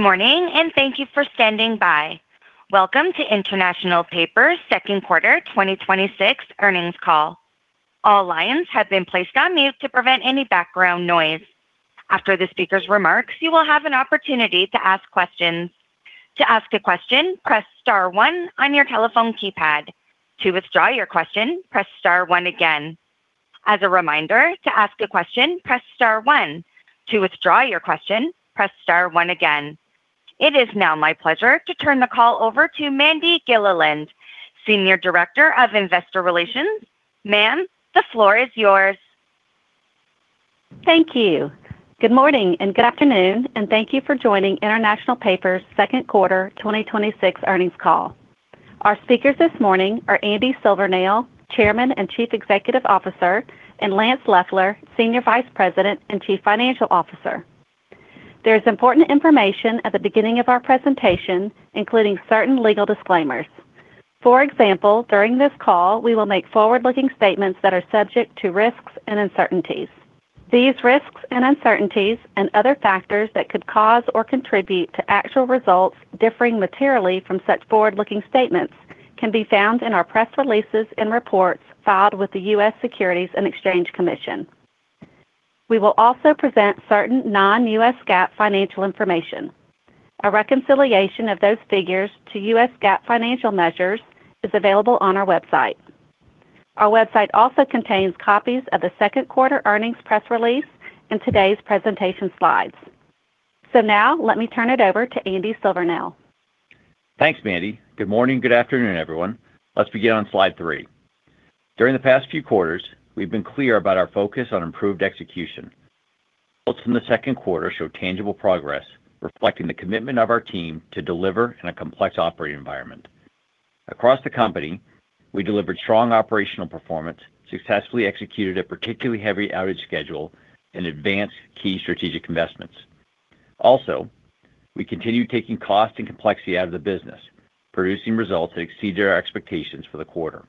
Good morning, thank you for standing by. Welcome to International Paper's second quarter 2026 earnings call. All lines have been placed on mute to prevent any background noise. After the speaker's remarks, you will have an opportunity to ask questions. To ask a question, press star one on your telephone keypad. To withdraw your question, press star one again. As a reminder, to ask a question, press star one. To withdraw your question, press star one again. It is now my pleasure to turn the call over to Mandi Gilliland, Senior Director of Investor Relations. Mandi, the floor is yours. Thank you. Good morning and good afternoon, thank you for joining International Paper's second quarter 2026 earnings call. Our speakers this morning are Andy Silvernail, Chairman and Chief Executive Officer, and Lance Loeffler, Senior Vice President and Chief Financial Officer. There is important information at the beginning of our presentation, including certain legal disclaimers. For example, during this call, we will make forward-looking statements that are subject to risks and uncertainties. These risks and uncertainties and other factors that could cause or contribute to actual results differing materially from such forward-looking statements can be found in our press releases and reports filed with the U.S. Securities and Exchange Commission. We will also present certain non-U.S. GAAP financial information. A reconciliation of those figures to U.S. GAAP financial measures is available on our website. Our website also contains copies of the second quarter earnings press release and today's presentation slides. Now let me turn it over to Andy Silvernail. Thanks, Mandi. Good morning, good afternoon, everyone. Let's begin on slide three. During the past few quarters, we've been clear about our focus on improved execution. Results from the second quarter show tangible progress, reflecting the commitment of our team to deliver in a complex operating environment. Across the company, we delivered strong operational performance, successfully executed a particularly heavy outage schedule, and advanced key strategic investments. We continued taking cost and complexity out of the business, producing results that exceeded our expectations for the quarter.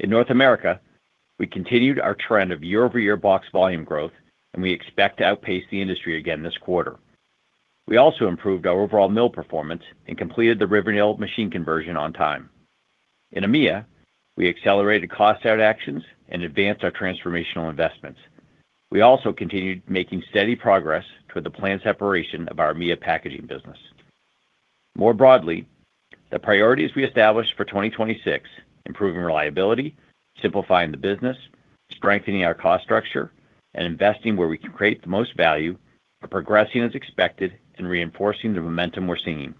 In North America, we continued our trend of year-over-year box volume growth, and we expect to outpace the industry again this quarter. We also improved our overall mill performance and completed the Riverdale machine conversion on time. In EMEA, we accelerated cost-out actions and advanced our transformational investments. We also continued making steady progress toward the planned separation of our EMEA packaging business. More broadly, the priorities we established for 2026, improving reliability, simplifying the business, strengthening our cost structure, and investing where we can create the most value, are progressing as expected and reinforcing the momentum we're seeing.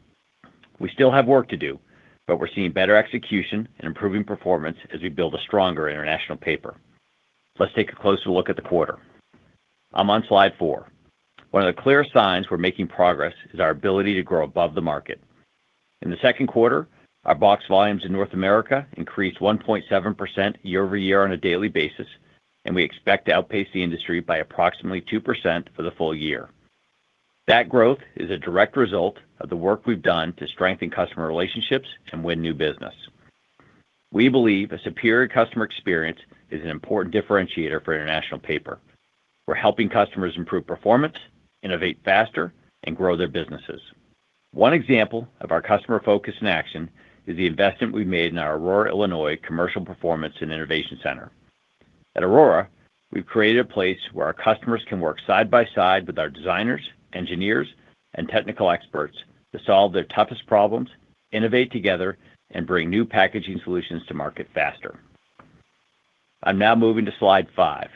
We still have work to do, but we're seeing better execution and improving performance as we build a stronger International Paper. Let's take a closer look at the quarter. I'm on slide four. One of the clear signs we're making progress is our ability to grow above the market. In the second quarter, our box volumes in North America increased 1.7% year-over-year on a daily basis, and we expect to outpace the industry by approximately 2% for the full year. That growth is a direct result of the work we've done to strengthen customer relationships and win new business. We believe a superior customer experience is an important differentiator for International Paper. We're helping customers improve performance, innovate faster, and grow their businesses. One example of our customer focus in action is the investment we've made in our Aurora, Illinois, Commercial Performance and Innovation Center. At Aurora, we've created a place where our customers can work side by side with our designers, engineers, and technical experts to solve their toughest problems, innovate together, and bring new packaging solutions to market faster. I'm now moving to slide five.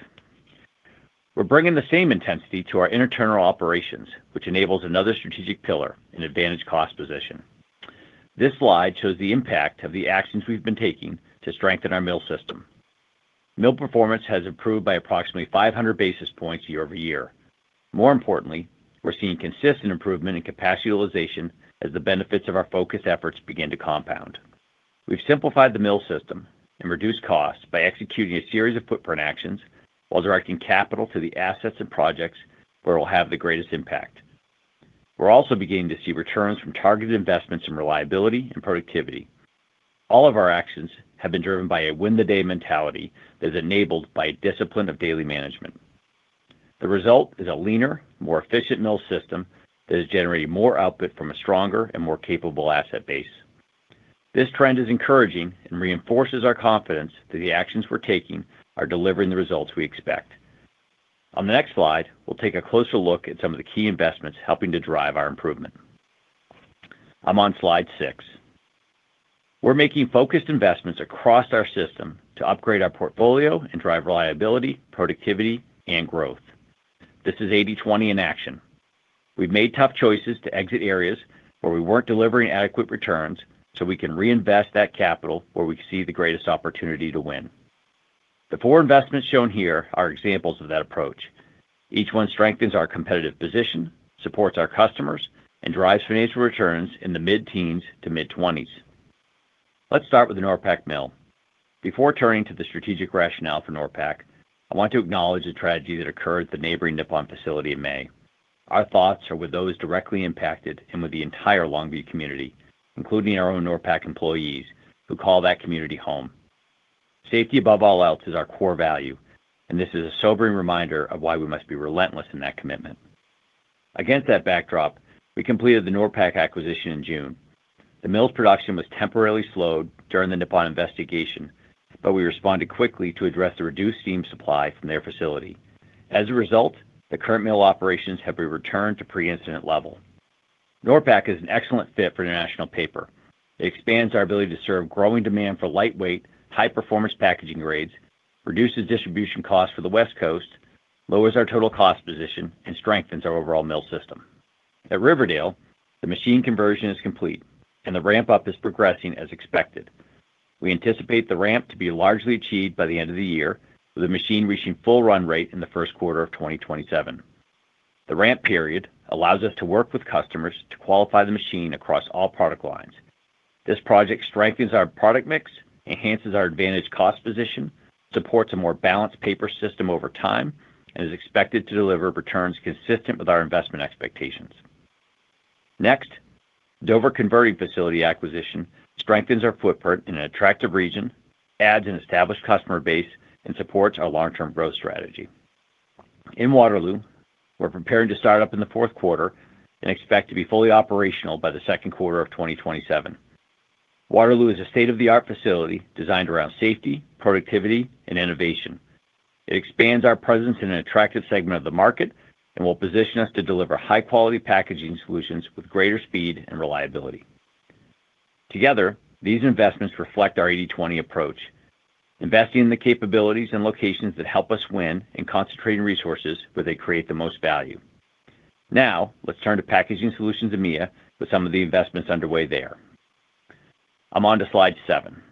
We're bringing the same intensity to our internal operations, which enables another strategic pillar, an advantage cost position. This slide shows the impact of the actions we've been taking to strengthen our mill system. Mill performance has improved by approximately 500 basis points year-over-year. More importantly, we're seeing consistent improvement in capacity utilization as the benefits of our focused efforts begin to compound. We've simplified the mill system and reduced costs by executing a series of footprint actions while directing capital to the assets and projects where it will have the greatest impact. We're also beginning to see returns from targeted investments in reliability and productivity. All of our actions have been driven by a win-the-day mentality that is enabled by a discipline of daily management. The result is a leaner, more efficient mill system that is generating more output from a stronger and more capable asset base. This trend is encouraging and reinforces our confidence that the actions we're taking are delivering the results we expect. On the next slide, we'll take a closer look at some of the key investments helping to drive our improvement. I'm on slide six. We're making focused investments across our system to upgrade our portfolio and drive reliability, productivity, and growth. This is 80/20 in action. We've made tough choices to exit areas where we weren't delivering adequate returns so we can reinvest that capital where we can see the greatest opportunity to win. The four investments shown here are examples of that approach. Each one strengthens our competitive position, supports our customers, and drives financial returns in the mid-teens to mid-20s. Let's start with the NORPAC mill. Before turning to the strategic rationale for NORPAC, I want to acknowledge the tragedy that occurred at the neighboring Nippon facility in May. Our thoughts are with those directly impacted and with the entire Longview community, including our own NORPAC employees, who call that community home. Safety above all else is our core value, and this is a sobering reminder of why we must be relentless in that commitment. Against that backdrop, we completed the NORPAC acquisition in June. The mill's production was temporarily slowed during the Nippon investigation, but we responded quickly to address the reduced steam supply from their facility. As a result, the current mill operations have returned to pre-incident level. NORPAC is an excellent fit for International Paper. It expands our ability to serve growing demand for lightweight, high-performance packaging grades, reduces distribution costs for the West Coast, lowers our total cost position, and strengthens our overall mill system. At Riverdale, the machine conversion is complete, and the ramp-up is progressing as expected. We anticipate the ramp to be largely achieved by the end of the year, with the machine reaching full run rate in the first quarter of 2027. The ramp period allows us to work with customers to qualify the machine across all product lines. This project strengthens our product mix, enhances our advantage cost position, supports a more balanced paper system over time, and is expected to deliver returns consistent with our investment expectations. Next, Dover Converting Facility acquisition strengthens our footprint in an attractive region, adds an established customer base, and supports our long-term growth strategy. In Waterloo, we're preparing to start up in the fourth quarter and expect to be fully operational by the second quarter of 2027. Waterloo is a state-of-the-art facility designed around safety, productivity, and innovation. It expands our presence in an attractive segment of the market and will position us to deliver high-quality packaging solutions with greater speed and reliability. Together, these investments reflect our 80/20 approach, investing in the capabilities and locations that help us win, and concentrating resources where they create the most value. Now, let's turn to Packaging Solutions EMEA with some of the investments underway there. I'm onto slide seven.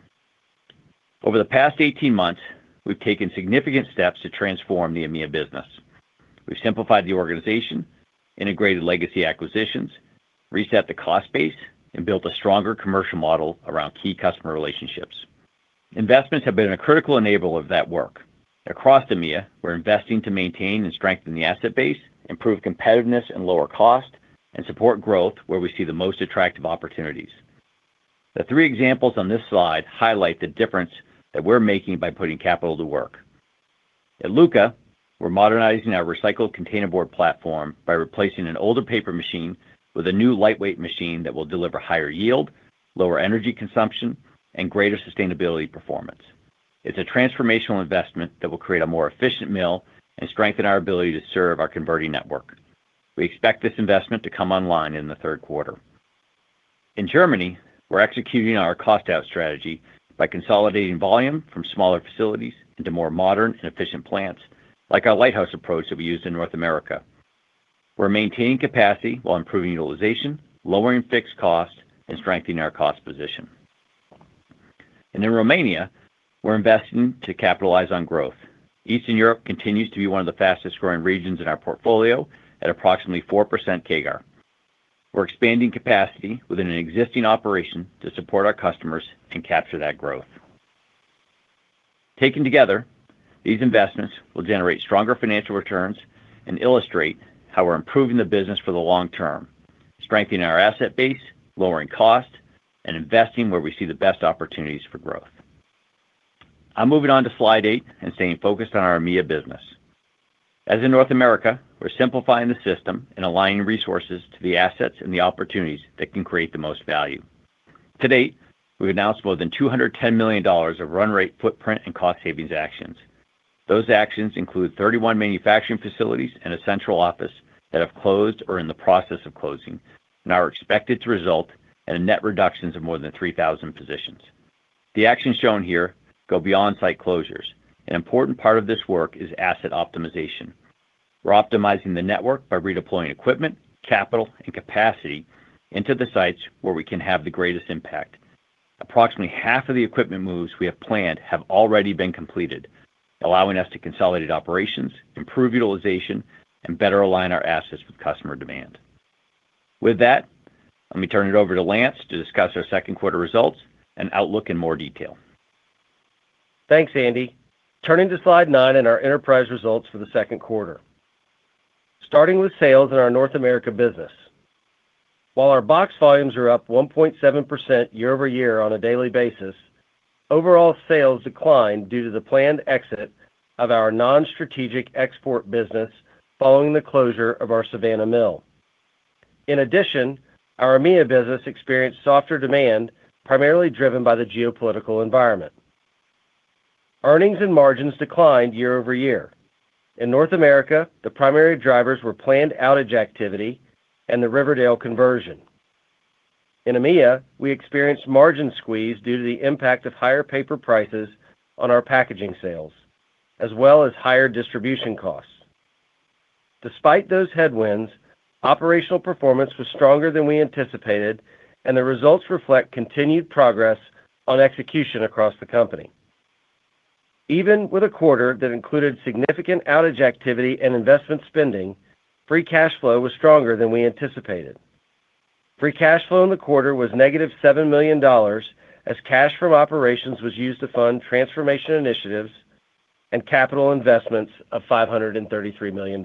Over the past 18 months, we've taken significant steps to transform the EMEA business. We've simplified the organization, integrated legacy acquisitions, reset the cost base, and built a stronger commercial model around key customer relationships. Investments have been a critical enabler of that work. Across EMEA, we're investing to maintain and strengthen the asset base, improve competitiveness and lower cost, and support growth where we see the most attractive opportunities. The three examples on this slide highlight the difference that we're making by putting capital to work. At Lucca, we're modernizing our recycled containerboard platform by replacing an older paper machine with a new lightweight machine that will deliver higher yield, lower energy consumption, and greater sustainability performance. It's a transformational investment that will create a more efficient mill and strengthen our ability to serve our converting network. We expect this investment to come online in the third quarter. In Germany, we're executing our cost-out strategy by consolidating volume from smaller facilities into more modern and efficient plants, like our lighthouse approach that we used in North America. We're maintaining capacity while improving utilization, lowering fixed costs, and strengthening our cost position. In Romania, we're investing to capitalize on growth. Eastern Europe continues to be one of the fastest-growing regions in our portfolio at approximately 4% CAGR. We're expanding capacity within an existing operation to support our customers and capture that growth. Taken together, these investments will generate stronger financial returns and illustrate how we're improving the business for the long term, strengthening our asset base, lowering cost, and investing where we see the best opportunities for growth. I'm moving on to slide eight and staying focused on our EMEA business. As in North America, we're simplifying the system and aligning resources to the assets and the opportunities that can create the most value. To date, we've announced more than $210 million of run rate footprint and cost savings actions. Those actions include 31 manufacturing facilities and a central office that have closed or are in the process of closing and are expected to result in a net reductions of more than 3,000 positions. The actions shown here go beyond site closures. An important part of this work is asset optimization. We're optimizing the network by redeploying equipment, capital, and capacity into the sites where we can have the greatest impact. Approximately half of the equipment moves we have planned have already been completed, allowing us to consolidate operations, improve utilization, and better align our assets with customer demand. With that, let me turn it over to Lance to discuss our second quarter results and outlook in more detail. Thanks, Andy. Turning to slide nine and our enterprise results for the second quarter. Starting with sales in our North America business. While our box volumes are up 1.7% year-over-year on a daily basis, overall sales declined due to the planned exit of our non-strategic export business following the closure of our Savannah mill. In addition, our EMEA business experienced softer demand, primarily driven by the geopolitical environment. Earnings and margins declined year-over-year. In North America, the primary drivers were planned outage activity and the Riverdale conversion. In EMEA, we experienced margin squeeze due to the impact of higher paper prices on our packaging sales, as well as higher distribution costs. Despite those headwinds, operational performance was stronger than we anticipated, and the results reflect continued progress on execution across the company. Even with a quarter that included significant outage activity and investment spending, free cash flow was stronger than we anticipated. Free cash flow in the quarter was -$7 million as cash from operations was used to fund transformation initiatives and capital investments of $533 million.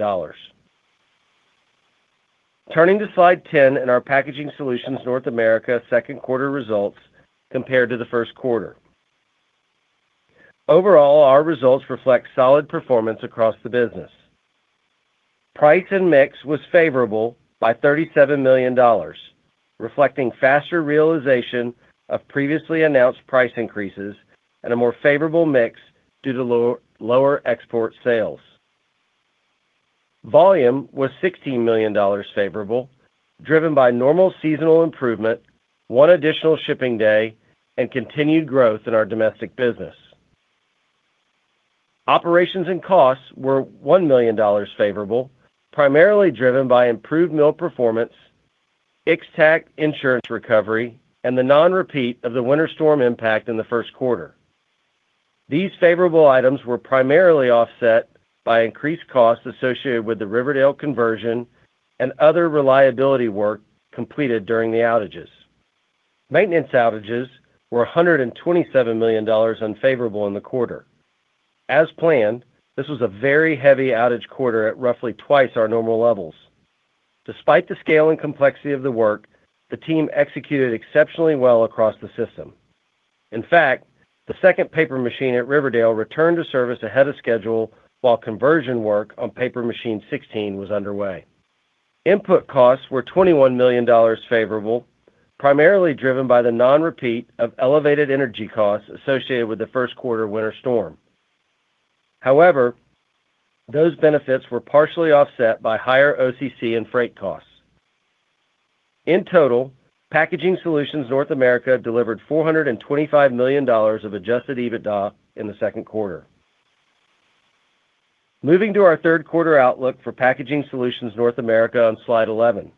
Turning to slide 10 in our Packaging Solutions North America second quarter results compared to the first quarter. Overall, our results reflect solid performance across the business. Price and mix was favorable by $37 million, reflecting faster realization of previously announced price increases and a more favorable mix due to lower export sales. Volume was $16 million favorable, driven by normal seasonal improvement, one additional shipping day, and continued growth in our domestic business. Operations and costs were $1 million favorable, primarily driven by improved mill performance, Ixtoc insurance recovery, and the non-repeat of the winter storm impact in the first quarter. These favorable items were primarily offset by increased costs associated with the Riverdale conversion and other reliability work completed during the outages. Maintenance outages were $127 million unfavorable in the quarter. As planned, this was a very heavy outage quarter at roughly twice our normal levels. Despite the scale and complexity of the work, the team executed exceptionally well across the system. In fact, the second paper machine at Riverdale returned to service ahead of schedule while conversion work on paper machine 16 was underway. Input costs were $21 million favorable, primarily driven by the non-repeat of elevated energy costs associated with the first quarter winter storm. However, those benefits were partially offset by higher OCC and freight costs. In total, Packaging Solutions North America delivered $425 million of Adjusted EBITDA in the second quarter. Moving to our third quarter outlook for Packaging Solutions North America on Slide 11.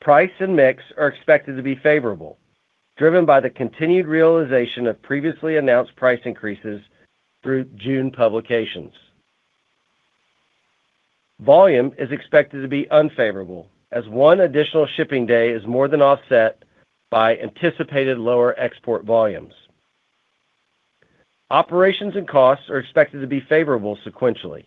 Price and mix are expected to be favorable, driven by the continued realization of previously announced price increases through June publications. Volume is expected to be unfavorable as one additional shipping day is more than offset by anticipated lower export volumes. Operations and costs are expected to be favorable sequentially.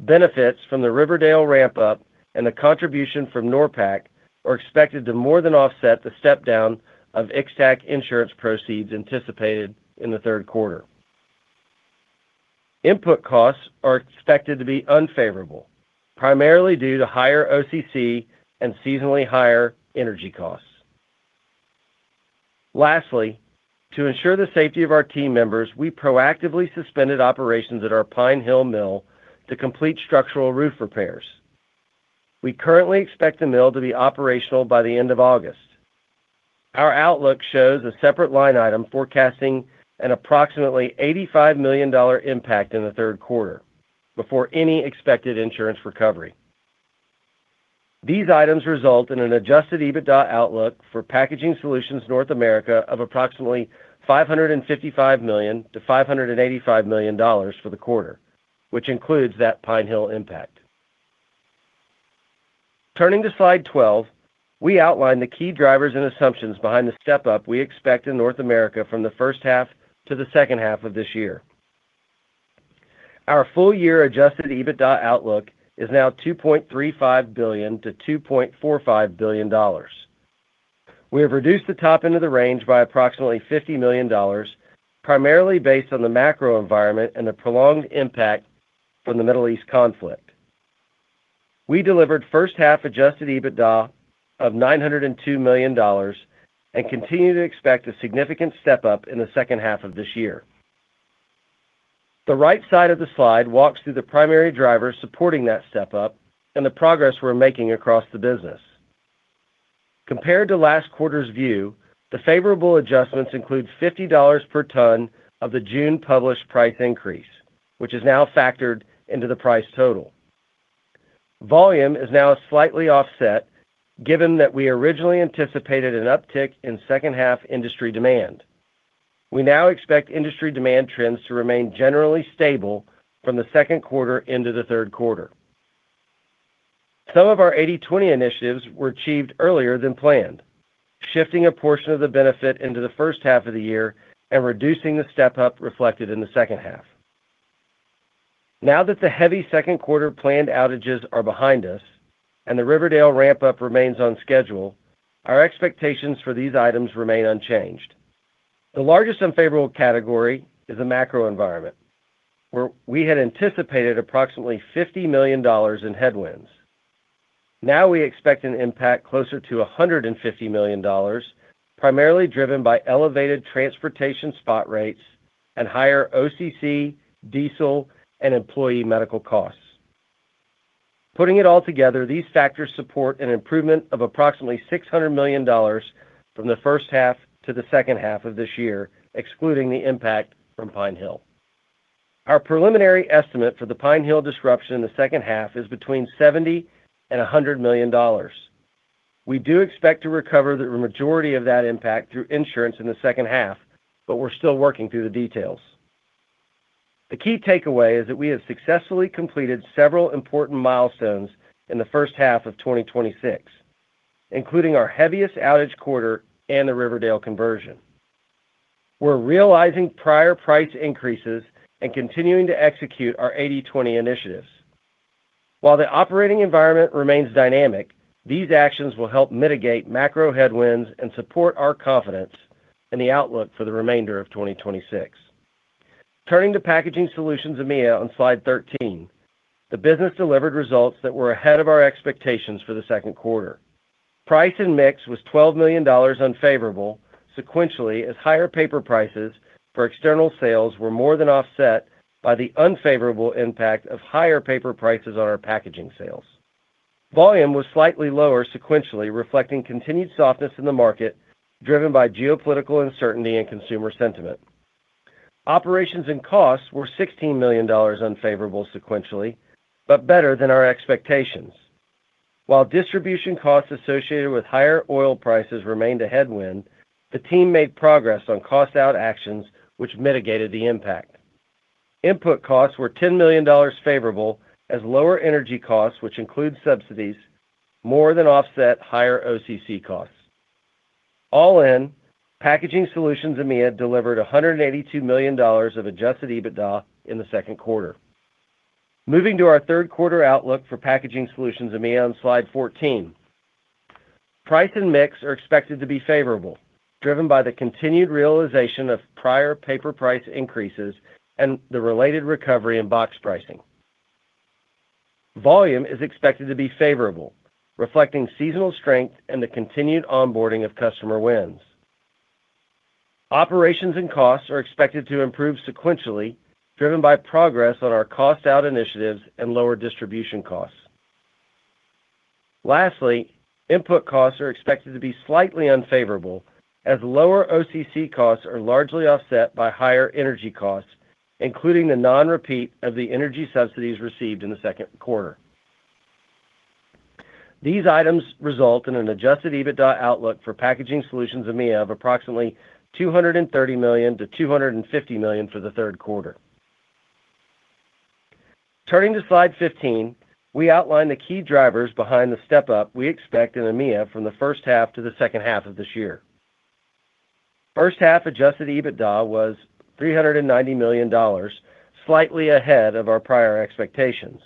Benefits from the Riverdale ramp-up and the contribution from NORPAC are expected to more than offset the step-down of Ixtoc insurance proceeds anticipated in the third quarter. Input costs are expected to be unfavorable, primarily due to higher OCC and seasonally higher energy costs. Lastly, to ensure the safety of our team members, we proactively suspended operations at our Pine Hill mill to complete structural roof repairs. We currently expect the mill to be operational by the end of August. Our outlook shows a separate line item forecasting an approximately $85 million impact in the third quarter before any expected insurance recovery. These items result in an Adjusted EBITDA outlook for Packaging Solutions North America of approximately $555 million-$585 million for the quarter, which includes that Pine Hill impact. Turning to Slide 12, we outline the key drivers and assumptions behind the step-up we expect in North America from the first half to the second half of this year. Our full-year Adjusted EBITDA outlook is now $2.35 billion-$2.45 billion. We have reduced the top end of the range by approximately $50 million, primarily based on the macro environment and the prolonged impact from the Middle East conflict. We delivered first half Adjusted EBITDA of $902 million and continue to expect a significant step-up in the second half of this year. The right side of the slide walks through the primary drivers supporting that step-up and the progress we're making across the business. Compared to last quarter's view, the favorable adjustments include $50 per ton of the June published price increase, which is now factored into the price total. Volume is now slightly offset, given that we originally anticipated an uptick in second half industry demand. We now expect industry demand trends to remain generally stable from the second quarter into the third quarter. Some of our 80/20 initiatives were achieved earlier than planned, shifting a portion of the benefit into the first half of the year and reducing the step-up reflected in the second half. Now that the heavy second quarter planned outages are behind us and the Riverdale ramp-up remains on schedule, our expectations for these items remain unchanged. The largest unfavorable category is the macro environment, where we had anticipated approximately $50 million in headwinds. Now we expect an impact closer to $150 million, primarily driven by elevated transportation spot rates and higher OCC, diesel, and employee medical costs. Putting it all together, these factors support an improvement of approximately $600 million from the first half to the second half of this year, excluding the impact from Pine Hill. Our preliminary estimate for the Pine Hill disruption in the second half is between $70 million-$100 million. We do expect to recover the majority of that impact through insurance in the second half, but we're still working through the details. The key takeaway is that we have successfully completed several important milestones in the first half of 2026, including our heaviest outage quarter and the Riverdale conversion. We're realizing prior price increases and continuing to execute our 80/20 initiatives. While the operating environment remains dynamic, these actions will help mitigate macro headwinds and support our confidence in the outlook for the remainder of 2026. Turning to Packaging Solutions EMEA on slide 13, the business delivered results that were ahead of our expectations for the second quarter. Price and mix was $12 million unfavorable sequentially, as higher paper prices for external sales were more than offset by the unfavorable impact of higher paper prices on our packaging sales. Volume was slightly lower sequentially, reflecting continued softness in the market, driven by geopolitical uncertainty and consumer sentiment. Operations and costs were $16 million unfavorable sequentially, but better than our expectations. While distribution costs associated with higher oil prices remained a headwind, the team made progress on cost out actions which mitigated the impact. Input costs were $10 million favorable as lower energy costs, which include subsidies, more than offset higher OCC costs. All in, Packaging Solutions EMEA delivered $182 million of Adjusted EBITDA in the second quarter. Moving to our third quarter outlook for Packaging Solutions EMEA on slide 14. Price and mix are expected to be favorable, driven by the continued realization of prior paper price increases and the related recovery in box pricing. Volume is expected to be favorable, reflecting seasonal strength and the continued onboarding of customer wins. Operations and costs are expected to improve sequentially, driven by progress on our cost out initiatives and lower distribution costs. Lastly, input costs are expected to be slightly unfavorable as lower OCC costs are largely offset by higher energy costs, including the non-repeat of the energy subsidies received in the second quarter. These items result in an Adjusted EBITDA outlook for Packaging Solutions EMEA of approximately $230 million-$250 million for the third quarter. Turning to slide 15, we outline the key drivers behind the step-up we expect in EMEA from the first half to the second half of this year. First half Adjusted EBITDA was $390 million, slightly ahead of our prior expectations.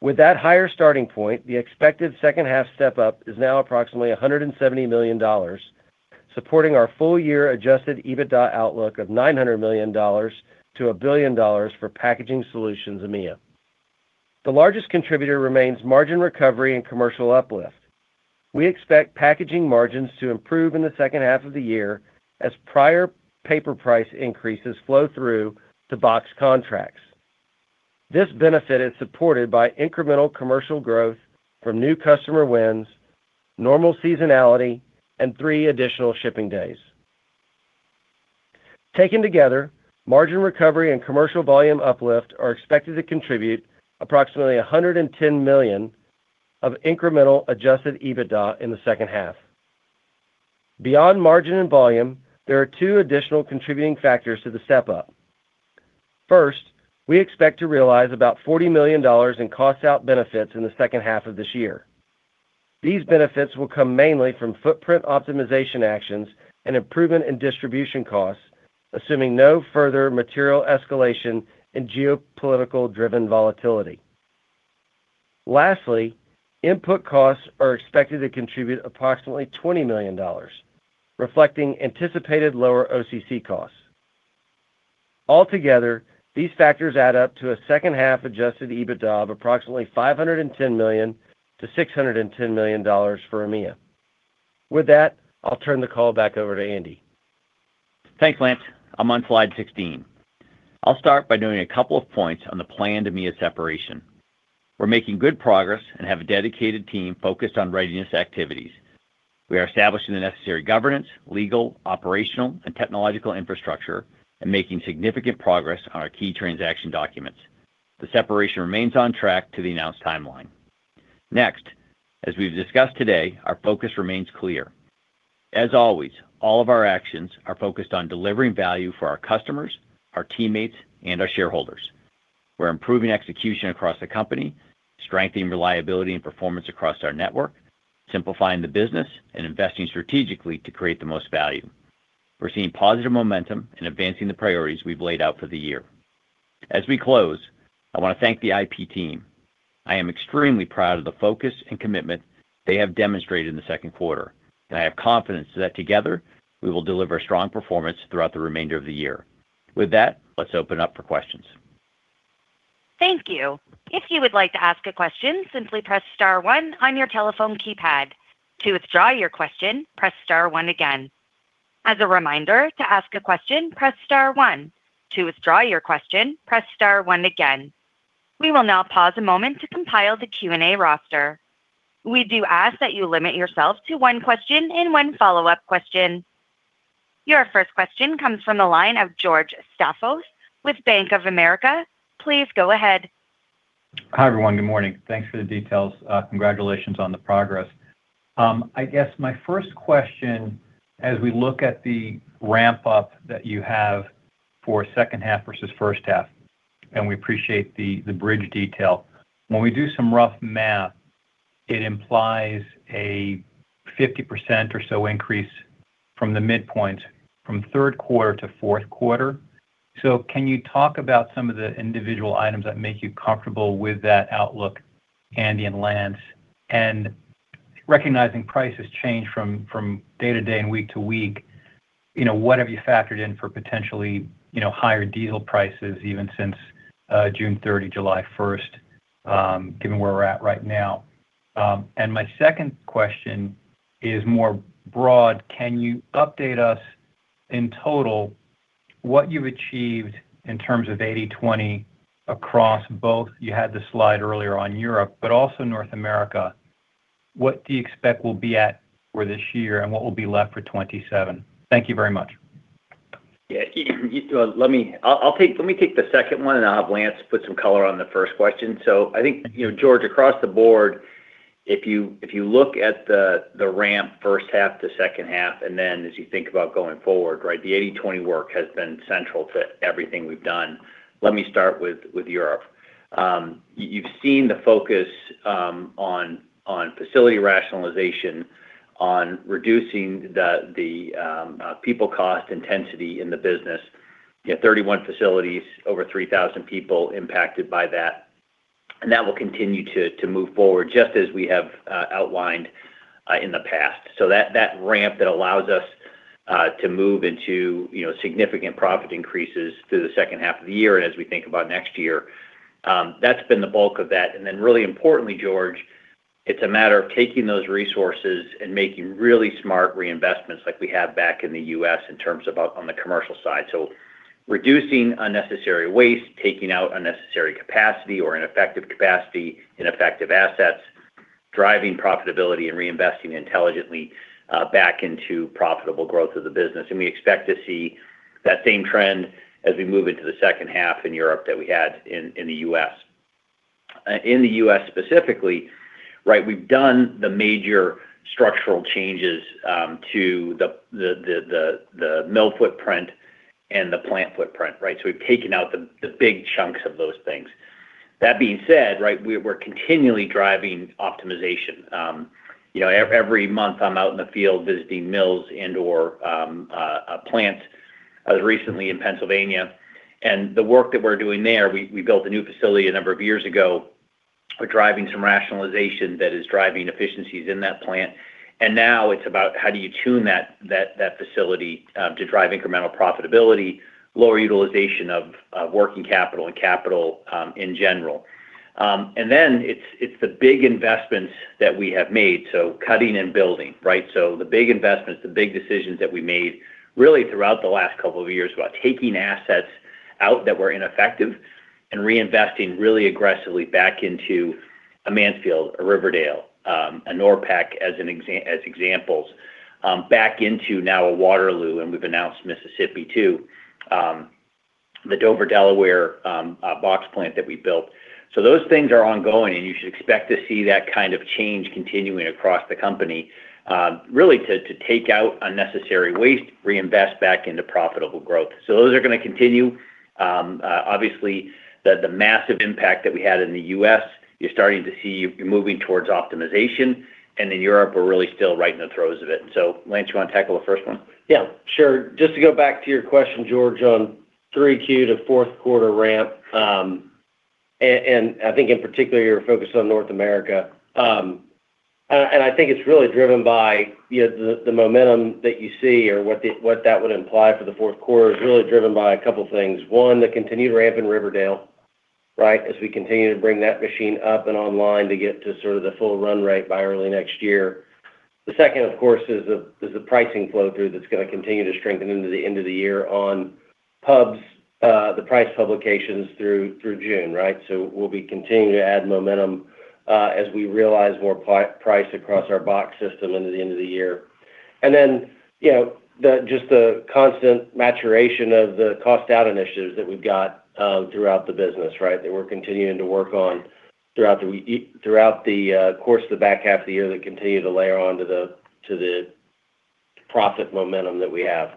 With that higher starting point, the expected second half step-up is now approximately $170 million, supporting our full year Adjusted EBITDA outlook of $900 million-$1 billion for Packaging Solutions EMEA. The largest contributor remains margin recovery and commercial uplift. We expect packaging margins to improve in the second half of the year as prior paper price increases flow through to box contracts. This benefit is supported by incremental commercial growth from new customer wins, normal seasonality, and three additional shipping days. Taken together, margin recovery and commercial volume uplift are expected to contribute approximately $110 million of incremental Adjusted EBITDA in the second half. Beyond margin and volume, there are two additional contributing factors to the step-up. First, we expect to realize about $40 million in cost out benefits in the second half of this year. These benefits will come mainly from footprint optimization actions and improvement in distribution costs, assuming no further material escalation and geopolitical-driven volatility. Lastly, input costs are expected to contribute approximately $20 million, reflecting anticipated lower OCC costs. Altogether, these factors add up to a second half Adjusted EBITDA of approximately $510 million-$610 million for EMEA. With that, I'll turn the call back over to Andy. Thanks, Lance. I'm on slide 16. I'll start by doing a couple of points on the planned EMEA separation. We're making good progress and have a dedicated team focused on readiness activities. We are establishing the necessary governance, legal, operational, and technological infrastructure and making significant progress on our key transaction documents. The separation remains on track to the announced timeline. As we've discussed today, our focus remains clear. As always, all of our actions are focused on delivering value for our customers, our teammates, and our shareholders. We're improving execution across the company, strengthening reliability and performance across our network, simplifying the business, and investing strategically to create the most value. We're seeing positive momentum and advancing the priorities we've laid out for the year. As we close, I want to thank the IP team. I am extremely proud of the focus and commitment they have demonstrated in the second quarter. I have confidence that together, we will deliver strong performance throughout the remainder of the year. With that, let's open up for questions. Thank you. If you would like to ask a question, simply press star one on your telephone keypad. To withdraw your question, press star one again. As a reminder, to ask a question, press star one. To withdraw your question, press star one again. We will now pause a moment to compile the Q&A roster. We do ask that you limit yourself to one question and one follow-up question. Your first question comes from the line of George Staphos with Bank of America. Please go ahead. Hi, everyone. Good morning. Thanks for the details. Congratulations on the progress. I guess my first question, as we look at the ramp-up that you have for second half versus first half, and we appreciate the bridge detail. When we do some rough math, it implies a 50% or so increase from the midpoint from third quarter to fourth quarter. Can you talk about some of the individual items that make you comfortable with that outlook, Andy and Lance? Recognizing prices change from day to day and week to week, what have you factored in for potentially higher diesel prices even since June 30, July 1st, given where we're at right now? My second question is more broad. Can you update us in total what you've achieved in terms of 80/20 across both, you had the slide earlier on Europe, but also North America. What do you expect we'll be at for this year, what will be left for 2027? Thank you very much. Yeah. Let me take the second one. I'll have Lance put some color on the first question. I think, George, across the board, if you look at the ramp first half to second half, then as you think about going forward, the 80/20 work has been central to everything we've done. Let me start with Europe. You've seen the focus on facility rationalization, on reducing the people cost intensity in the business. You have 31 facilities, over 3,000 people impacted by that. That will continue to move forward just as we have outlined in the past. That ramp that allows us to move into significant profit increases through the second half of the year and as we think about next year, that's been the bulk of that. Really importantly, George, it's a matter of taking those resources and making really smart reinvestments like we have back in the U.S. in terms of on the commercial side. Reducing unnecessary waste, taking out unnecessary capacity or ineffective capacity, ineffective assets, driving profitability, and reinvesting intelligently back into profitable growth of the business. We expect to see that same trend as we move into the second half in Europe that we had in the U.S. In the U.S. specifically, we've done the major structural changes to the mill footprint and the plant footprint. We've taken out the big chunks of those things. That being said, we're continually driving optimization. Every month I'm out in the field visiting mills and/or plants. I was recently in Pennsylvania, and the work that we're doing there, we built a new facility a number of years ago. We're driving some rationalization that is driving efficiencies in that plant. Now it's about how do you tune that facility to drive incremental profitability, lower utilization of working capital and capital in general. Then it's the big investments that we have made. Cutting and building. The big investments, the big decisions that we made really throughout the last couple of years about taking assets out that were ineffective and reinvesting really aggressively back into a Mansfield, a Riverdale, a NORPAC as examples, back into now a Waterloo, and we've announced Mississippi, too. The Dover, Delaware box plant that we built. Those things are ongoing, and you should expect to see that kind of change continuing across the company, really to take out unnecessary waste, reinvest back into profitable growth. Those are going to continue. Obviously, the massive impact that we had in the U.S., you're starting to see you're moving towards optimization. Europe, we're really still right in the throes of it. Lance, you want to tackle the first one? Yeah, sure. Just to go back to your question, George, on 3Q to fourth quarter ramp, I think in particular, you're focused on North America. I think it's really driven by the momentum that you see or what that would imply for the fourth quarter is really driven by a couple things. One, the continued ramp in Riverdale as we continue to bring that machine up and online to get to sort of the full run rate by early next year. The second, of course, is the pricing flow-through that's going to continue to strengthen into the end of the year on pubs, the price publications through June. We'll be continuing to add momentum as we realize more price across our box system into the end of the year. Just the constant maturation of the cost-out initiatives that we've got throughout the business that we're continuing to work on throughout the course of the back half of the year that continue to layer on to the profit momentum that we have.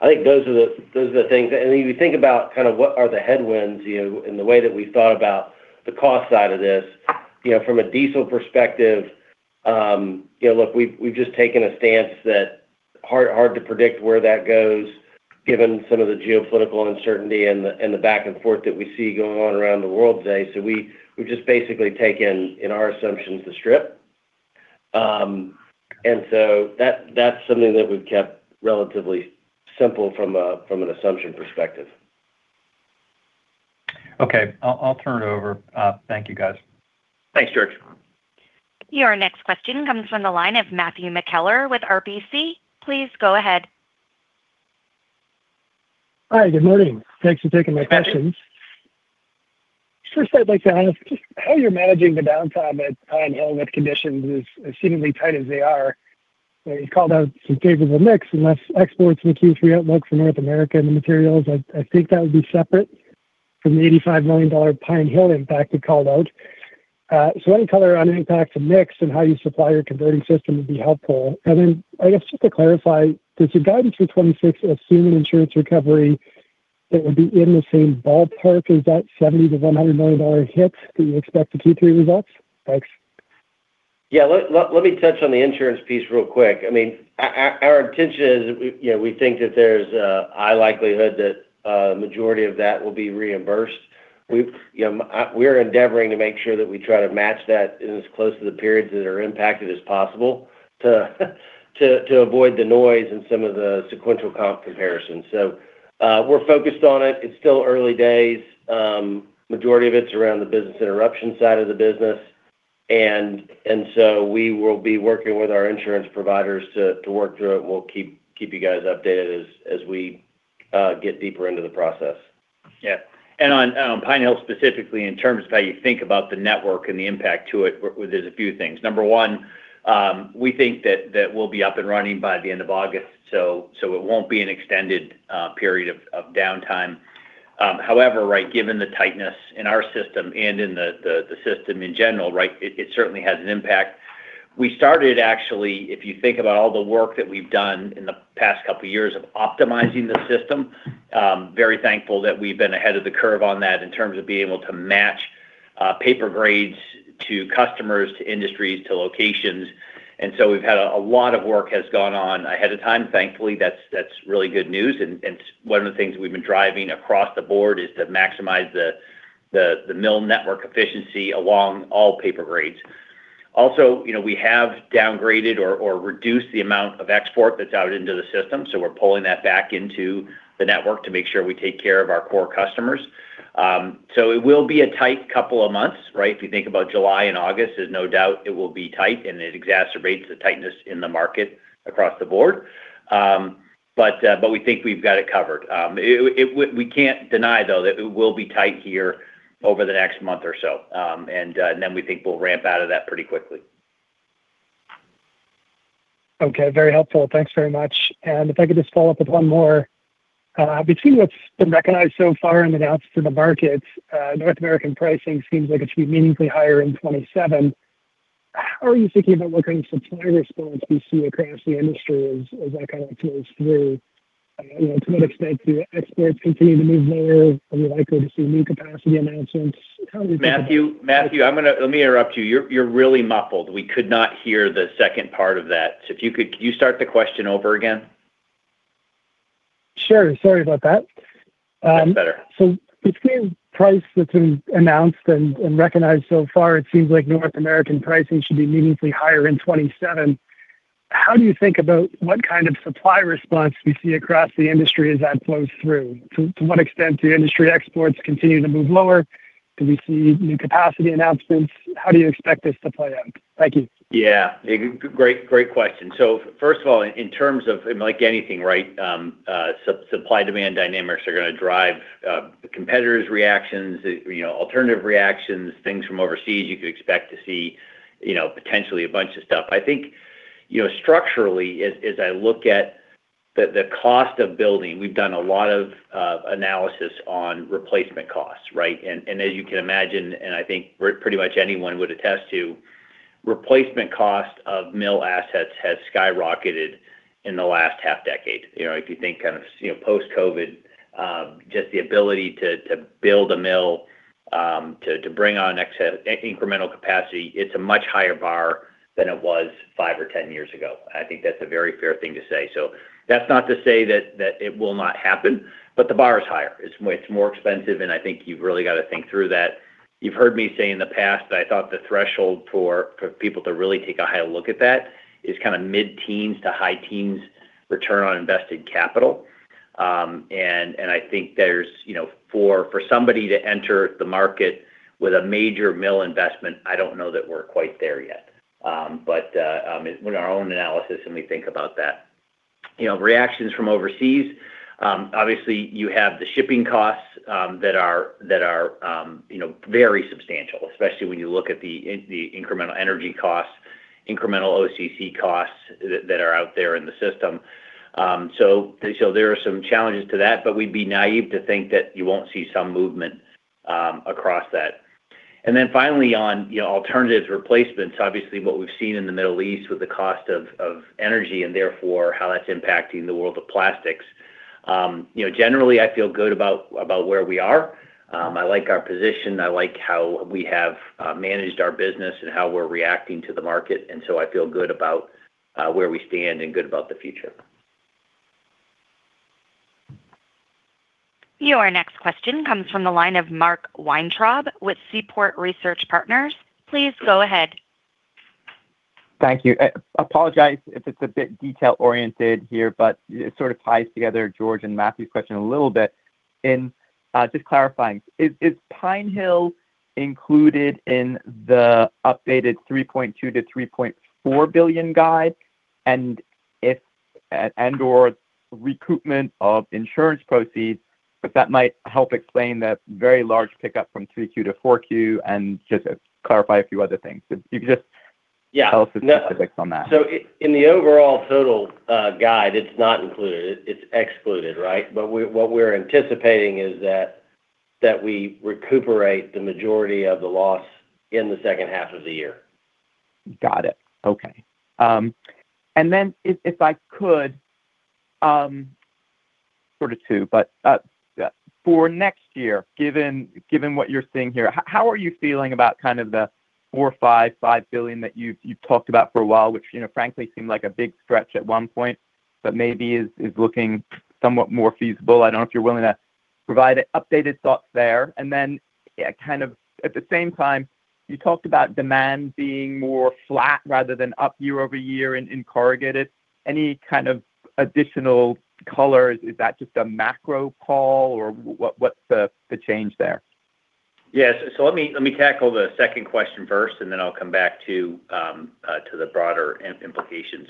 I think those are the things. You think about what are the headwinds, and the way that we thought about the cost side of this, from a diesel perspective, look, we've just taken a stance that hard to predict where that goes given some of the geopolitical uncertainty and the back and forth that we see going on around the world today. We've just basically taken, in our assumptions, the strip. That's something that we've kept relatively simple from an assumption perspective. Okay. I'll turn it over. Thank you, guys. Thanks, George. Your next question comes from the line of Matthew McKellar with RBC. Please go ahead. Hi, good morning. Thanks for taking my questions. First, I'd like to ask just how you're managing the downtime at Pine Hill with conditions as seemingly tight as they are. You called out some favorable mix and less exports in the Q3 outlook for North America and the materials. I think that would be separate from the $85 million Pine Hill impact you called out. Any color on impact to mix and how you supply your converting system would be helpful. I guess just to clarify, does your guidance for 2026 assume an insurance recovery? It will be in the same ballpark as that $70 million-$100 million hit that you expect for Q3 results? Thanks. Yeah. Let me touch on the insurance piece real quick. Our intention is we think that there's a high likelihood that a majority of that will be reimbursed. We're endeavoring to make sure that we try to match that in as close to the periods that are impacted as possible to avoid the noise in some of the sequential comp comparisons. We're focused on it. It's still early days. Majority of it's around the business interruption side of the business. We will be working with our insurance providers to work through it. We'll keep you guys updated as we get deeper into the process. Yeah. On Pine Hill specifically, in terms of how you think about the network and the impact to it, there's a few things. Number one, we think that we'll be up and running by the end of August, so it won't be an extended period of downtime. However, given the tightness in our system and in the system in general, it certainly has an impact. We started, actually, if you think about all the work that we've done in the past couple of years of optimizing the system, very thankful that we've been ahead of the curve on that in terms of being able to match paper grades to customers, to industries, to locations. We've had a lot of work has gone on ahead of time, thankfully. That's really good news, and one of the things we've been driving across the board is to maximize the mill network efficiency along all paper grades. Also, we have downgraded or reduced the amount of export that's out into the system, so we're pulling that back into the network to make sure we take care of our core customers. It will be a tight couple of months. If you think about July and August, there's no doubt it will be tight, and it exacerbates the tightness in the market across the board. We think we've got it covered. We can't deny, though, that it will be tight here over the next month or so, and then we think we'll ramp out of that pretty quickly. Okay. Very helpful. Thanks very much. If I could just follow up with one more. Between what's been recognized so far and announced to the market, North American pricing seems like it should be meaningfully higher in 2027. How are you thinking about what kind of supply response we see across the industry as that kind of flows through? To what extent do exports continue to move lower? Are we likely to see new capacity announcements? How are we thinking about- Matthew, let me interrupt you. You're really muffled. We could not hear the second part of that. Can you start the question over again? Sure. Sorry about that. That's better. Between price that's been announced and recognized so far, it seems like North American pricing should be meaningfully higher in 2027. How do you think about what kind of supply response we see across the industry as that flows through? To what extent do industry exports continue to move lower? Do we see new capacity announcements? How do you expect this to play out? Thank you. Great question. First of all, in terms of, like anything, supply-demand dynamics are going to drive competitors' reactions, alternative reactions, things from overseas. You could expect to see potentially a bunch of stuff. I think structurally, as I look at the cost of building, we've done a lot of analysis on replacement costs. And as you can imagine, and I think pretty much anyone would attest to, replacement cost of mill assets has skyrocketed in the last half decade. If you think kind of post-COVID, just the ability to build a mill, to bring on incremental capacity, it's a much higher bar than it was five or 10 years ago. I think that's a very fair thing to say. That's not to say that it will not happen, but the bar is higher. It's more expensive, and I think you've really got to think through that. You've heard me say in the past that I thought the threshold for people to really take a high look at that is kind of mid-teens to high teens return on invested capital. I think for somebody to enter the market with a major mill investment, I don't know that we're quite there yet. In our own analysis, and we think about that. Reactions from overseas, obviously, you have the shipping costs that are very substantial, especially when you look at the incremental energy costs, incremental OCC costs that are out there in the system. There are some challenges to that, but we'd be naive to think that you won't see some movement across that. Finally on alternatives, replacements, obviously what we've seen in the Middle East with the cost of energy and therefore how that's impacting the world of plastics. Generally, I feel good about where we are. I like our position. I like how we have managed our business and how we're reacting to the market. I feel good about where we stand and good about the future. Your next question comes from the line of Mark Weintraub with Seaport Research Partners. Please go ahead. Thank you. Apologize if it's a bit detail-oriented here, but it sort of ties together George and Matthew's question a little bit in just clarifying. Is Pine Hill included in the updated $3.2 billion-$3.4 billion guide? And if and/or recoupment of insurance proceeds, if that might help explain that very large pickup from 2Q to 4Q, and just clarify a few other things. Yeah Tell us the specifics on that. In the overall total guide, it's not included. It's excluded. What we're anticipating is that we recuperate the majority of the loss in the second half of the year. Got it. Okay. If I could, sort of two, for next year, given what you're seeing here, how are you feeling about kind of the $4 billion, $5 billion that you've talked about for a while, which frankly seemed like a big stretch at one point, maybe is looking somewhat more feasible? I don't know if you're willing to provide updated thoughts there. At the same time, you talked about demand being more flat rather than up year-over-year in corrugated. Any kind of additional color? Is that just a macro call or what's the change there? Yes. Let me tackle the second question first, then I'll come back to the broader implications.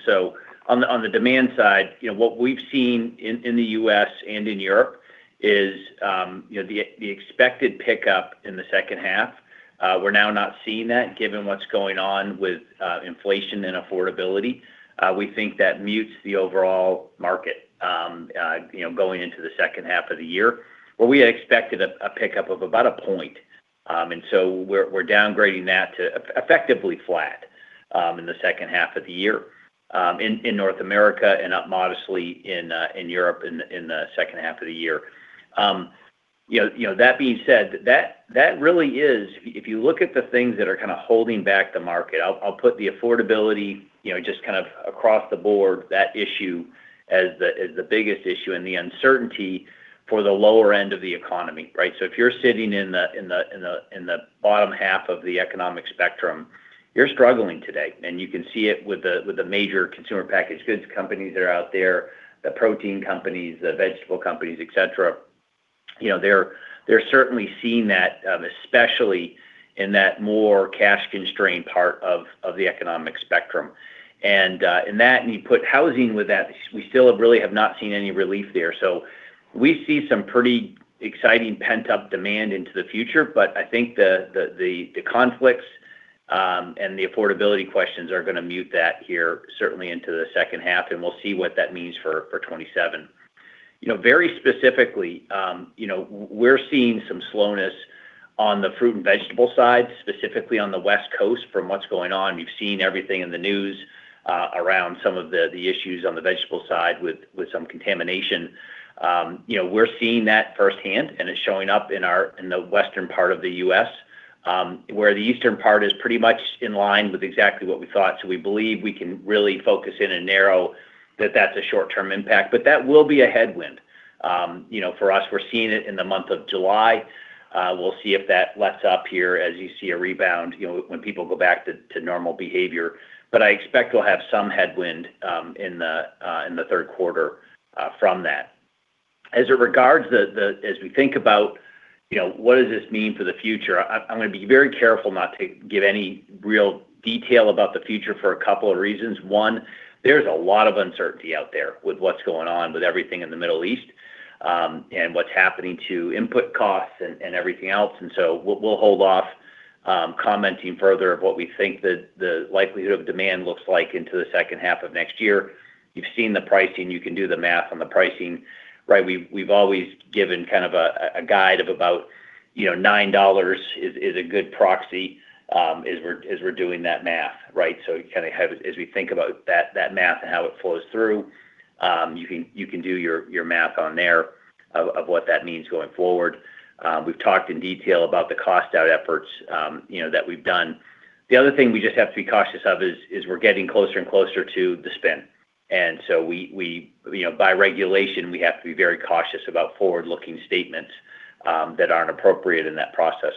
On the demand side, what we've seen in the U.S. and in Europe is the expected pickup in the second half. We're now not seeing that given what's going on with inflation and affordability. We think that mutes the overall market, going into the second half of the year, where we had expected a pickup of about a point. We're downgrading that to effectively flat in the second half of the year in North America and up modestly in Europe in the second half of the year. That being said, if you look at the things that are kind of holding back the market, I'll put the affordability, just kind of across the board, that issue as the biggest issue and the uncertainty for the lower end of the economy. Right? If you're sitting in the bottom half of the economic spectrum, you're struggling today, and you can see it with the major consumer packaged goods companies that are out there, the protein companies, the vegetable companies, et cetera. They're certainly seeing that, especially in that more cash-constrained part of the economic spectrum. You put housing with that, we still really have not seen any relief there. We see some pretty exciting pent-up demand into the future. I think the conflicts, and the affordability questions are going to mute that here certainly into the second half, and we'll see what that means for 2027. Very specifically, we're seeing some slowness on the fruit and vegetable side, specifically on the West Coast from what's going on. You've seen everything in the news around some of the issues on the vegetable side with some contamination. We're seeing that firsthand, and it's showing up in the western part of the U.S., where the eastern part is pretty much in line with exactly what we thought. We believe we can really focus in and narrow that that's a short-term impact, but that will be a headwind. For us, we're seeing it in the month of July. We'll see if that lets up here as you see a rebound, when people go back to normal behavior. I expect we'll have some headwind in the third quarter from that. We think about what does this mean for the future, I'm going to be very careful not to give any real detail about the future for a couple of reasons. One, there's a lot of uncertainty out there with what's going on with everything in the Middle East, and what's happening to input costs and everything else. We'll hold off commenting further of what we think the likelihood of demand looks like into the second half of next year. You've seen the pricing. You can do the math on the pricing, right? We've always given kind of a guide of about $9 is a good proxy, as we're doing that math, right? As we think about that math and how it flows through, you can do your math on there of what that means going forward. We've talked in detail about the cost-out efforts that we've done. The other thing we just have to be cautious of is we're getting closer and closer to the spin. By regulation, we have to be very cautious about forward-looking statements that aren't appropriate in that process.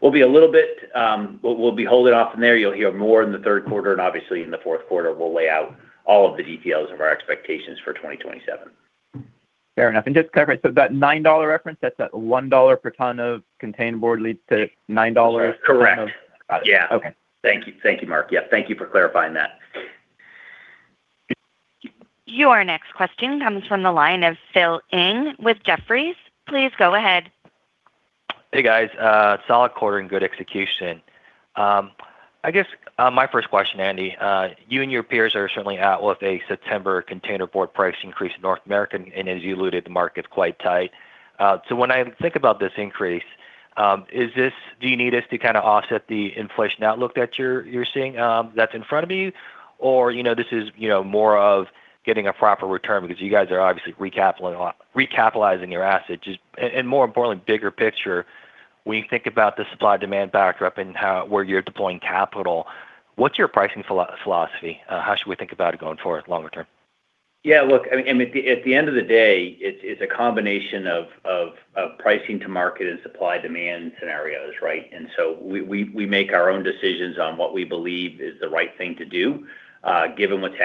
We'll be holding off from there. You'll hear more in the third quarter, and obviously in the fourth quarter, we'll lay out all of the details of our expectations for 2027. Fair enough. Just to clarify, that $9 reference, that's that $1 per ton of containerboard leads to $9? Correct. Got it. Okay. Thank you, Mark. Thank you for clarifying that. Your next question comes from the line of Phil Ng with Jefferies. Please go ahead. Hey, guys. Solid quarter and good execution. I guess, my first question, Andy, you and your peers are certainly out with a September containerboard price increase in North America, as you alluded. The market's quite tight. When I think about this increase, do you need this to kind of offset the inflation outlook that you're seeing that's in front of you? Or this is more of getting a proper return because you guys are obviously recapitalizing your assets? More importantly, bigger picture, when you think about the supply-demand backdrop and where you're deploying capital, what's your pricing philosophy? How should we think about it going forward longer term? Look, at the end of the day, it's a combination of pricing to market and supply-demand scenarios, right? We make our own decisions on what we believe is the right thing to do, given what's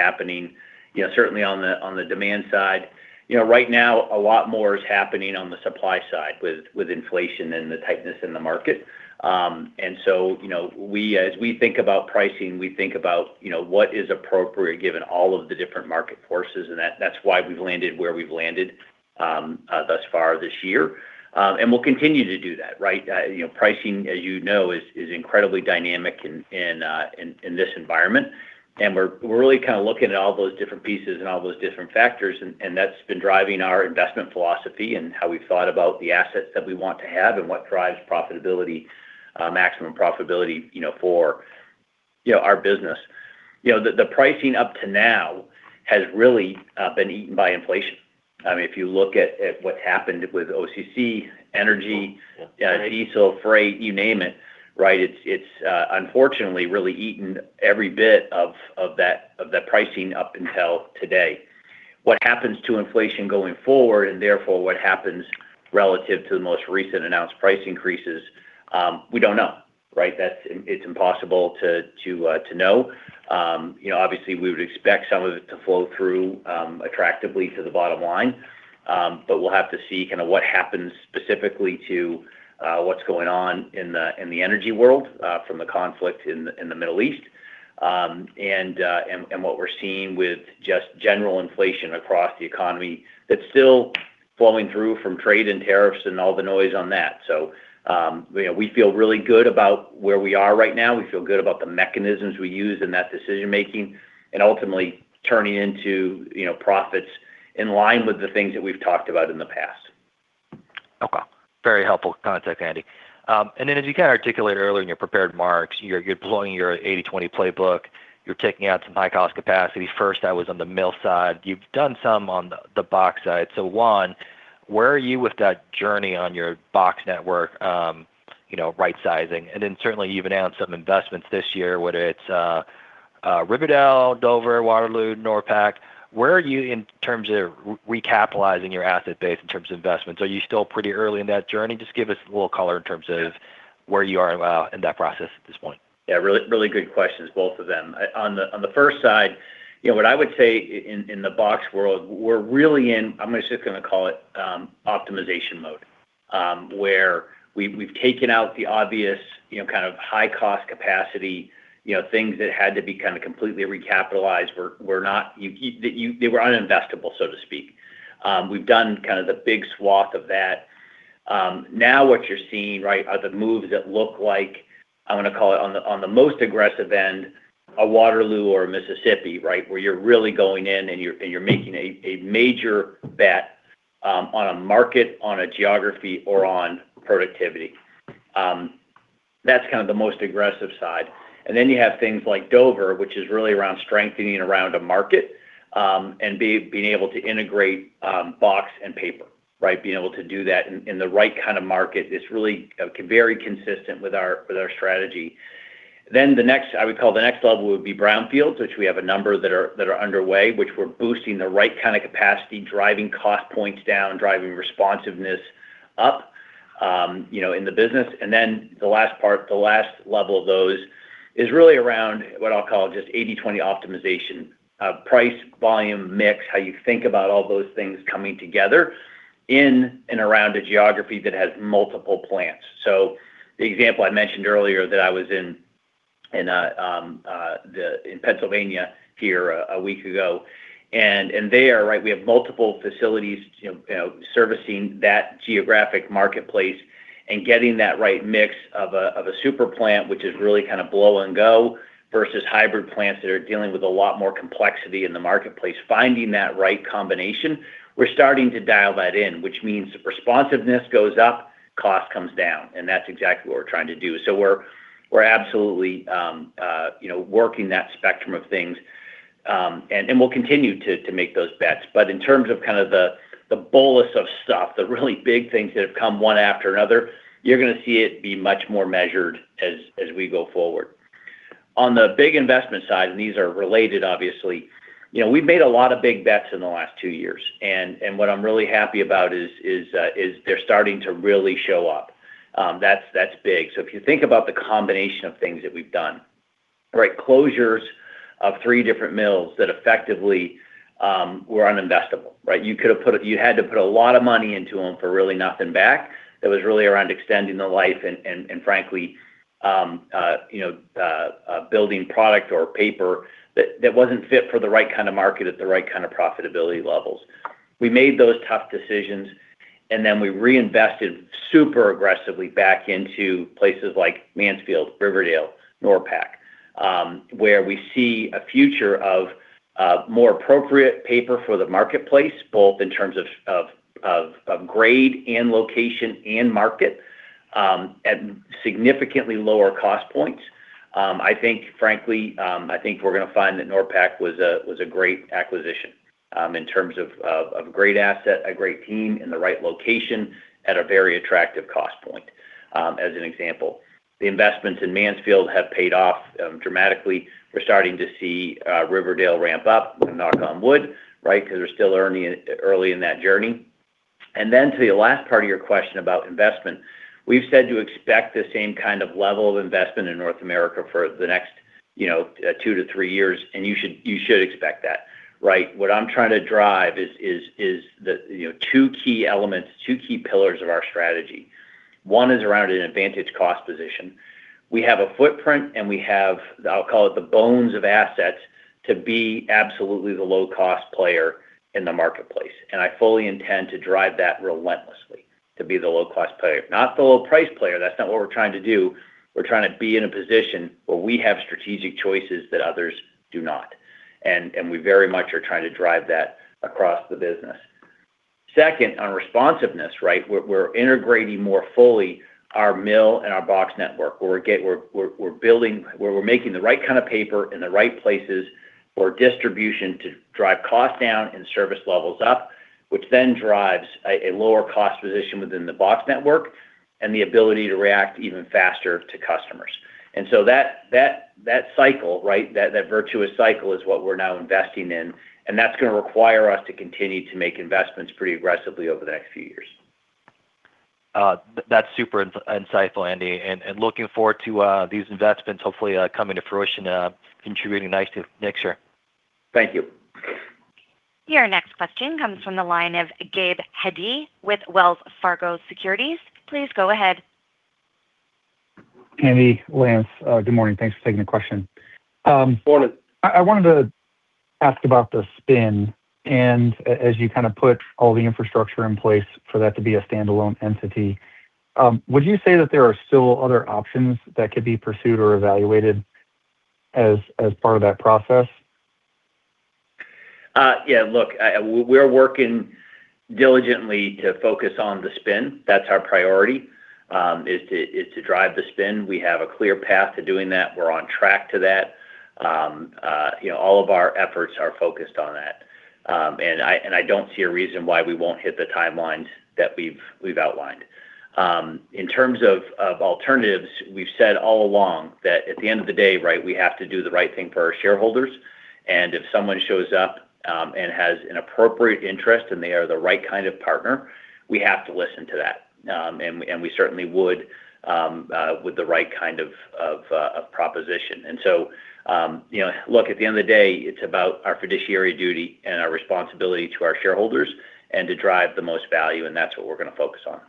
happening, certainly on the demand side. Right now, a lot more is happening on the supply side with inflation and the tightness in the market. As we think about pricing, we think about what is appropriate given all of the different market forces, and that's why we've landed where we've landed thus far this year. We'll continue to do that, right? Pricing, as you know, is incredibly dynamic in this environment. We're really kind of looking at all those different pieces and all those different factors, and that's been driving our investment philosophy and how we've thought about the assets that we want to have and what drives maximum profitability for our business. The pricing up to now has really been eaten by inflation. If you look at what happened with OCC, energy, diesel, freight, you name it. It's unfortunately really eaten every bit of that pricing up until today. What happens to inflation going forward, and therefore what happens relative to the most recent announced price increases, we don't know. It's impossible to know. Obviously we would expect some of it to flow through attractively to the bottom line. We'll have to see kind of what happens specifically to what's going on in the energy world, from the conflict in the Middle East. What we're seeing with just general inflation across the economy that's still flowing through from trade and tariffs and all the noise on that. We feel really good about where we are right now. We feel good about the mechanisms we use in that decision-making and ultimately turning into profits in line with the things that we've talked about in the past. Okay. Very helpful context, Andy. As you kind of articulated earlier in your prepared remarks, you're deploying your 80/20 playbook. You're taking out some high-cost capacity. First that was on the mill side. You've done some on the box side, where are you with that journey on your box network, right-sizing? Certainly you've announced some investments this year, whether it's Riverdale, Dover, Waterloo, NORPAC. Where are you in terms of recapitalizing your asset base in terms of investments? Are you still pretty early in that journey? Just give us a little color in terms of where you are in that process at this point. Yeah, really good questions, both of them. On the first side, what I would say in the box world, we're really in, I'm just going to call it optimization mode. Where we've taken out the obvious kind of high-cost capacity, things that had to be kind of completely recapitalized. They were uninvestable, so to speak. We've done kind of the big swath of that. Now what you're seeing are the moves that look like, I'm going to call it on the most aggressive end, a Waterloo or a Mississippi. Where you're really going in and you're making a major bet on a market, on a geography or on productivity. That's kind of the most aggressive side. You have things like Dover, which is really around strengthening around a market, and being able to integrate box and paper. Being able to do that in the right kind of market is really very consistent with our strategy. I would call the next level would be brownfields, which we have a number that are underway, which we're boosting the right kind of capacity, driving cost points down, driving responsiveness up in the business. The last part, the last level of those is really around what I'll call just 80/20 optimization. Price, volume, mix, how you think about all those things coming together in and around a geography that has multiple plants. The example I mentioned earlier that I was in Pennsylvania here a week ago. There, we have multiple facilities servicing that geographic marketplace and getting that right mix of a super plant, which is really kind of blow and go, versus hybrid plants that are dealing with a lot more complexity in the marketplace. Finding that right combination, we're starting to dial that in, which means responsiveness goes up, cost comes down; that's exactly what we're trying to do. We're absolutely working that spectrum of things. We'll continue to make those bets. In terms of kind of the bolus of stuff, the really big things that have come one after another, you're going to see it be much more measured as we go forward. On the big investment side, these are related, obviously. We've made a lot of big bets in the last two years. What I'm really happy about is they're starting to really show up. That's big. If you think about the combination of things that we've done. Closures of three different mills that effectively were uninvestable. You had to put a lot of money into them for really nothing back. That was really around extending the life and, frankly, building product or paper that wasn't fit for the right kind of market at the right kind of profitability levels. We made those tough decisions, then we reinvested super aggressively back into places like Mansfield, Riverdale, NORPAC, where we see a future of more appropriate paper for the marketplace, both in terms of grade and location and market, at significantly lower cost points. Frankly, I think we're going to find that NORPAC was a great acquisition in terms of a great asset, a great team, and the right location at a very attractive cost point. As an example, the investments in Mansfield have paid off dramatically. We're starting to see Riverdale ramp up knock on wood. Because we're still early in that journey. To the last part of your question about investment, we've said to expect the same kind of level of investment in North America for the next two to three years, you should expect that. What I'm trying to drive is the two key elements, two key pillars of our strategy. One is around an advantage cost position. We have a footprint and we have, I'll call it the bones of assets to be absolutely the low-cost player in the marketplace. I fully intend to drive that relentlessly to be the low-cost player, not the low-price player. That's not what we're trying to do. We're trying to be in a position where we have strategic choices that others do not. We very much are trying to drive that across the business. Second, on responsiveness, we're integrating more fully our mill and our box network, where we're making the right kind of paper in the right places for distribution to drive cost down and service levels up, which then drives a lower cost position within the box network and the ability to react even faster to customers. So that virtuous cycle is what we're now investing in, and that's going to require us to continue to make investments pretty aggressively over the next few years. That's super insightful, Andy, looking forward to these investments hopefully coming to fruition, contributing nice to next year. Thank you. Your next question comes from the line of Gabe Hajde with Wells Fargo Securities. Please go ahead. Andy, Lance, good morning. Thanks for taking the question. Morning. I wanted to ask about the spin, and as you kind of put all the infrastructure in place for that to be a standalone entity, would you say that there are still other options that could be pursued or evaluated as part of that process? Yeah, look, we're working diligently to focus on the spin. That's our priority, is to drive the spin. We have a clear path to doing that. We're on track to that. All of our efforts are focused on that. I don't see a reason why we won't hit the timelines that we've outlined. In terms of alternatives, we've said all along that at the end of the day, we have to do the right thing for our shareholders, if someone shows up and has an appropriate interest and they are the right kind of partner, we have to listen to that. We certainly would with the right kind of proposition. Look, at the end of the day, it's about our fiduciary duty and our responsibility to our shareholders and to drive the most value, and that's what we're going to focus on.